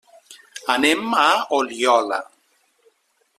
Anem a Oliola.